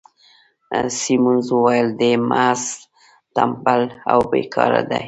سیمونز وویل: دی محض ټمبل او بې کاره دی.